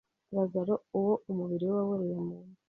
Lazaro uwo umubiri we waboreye mu mva,